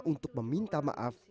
untuk meminta maaf